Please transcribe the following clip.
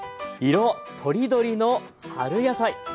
色とりどりの春野菜。